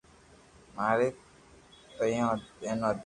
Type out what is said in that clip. ماري ٻينو ھتي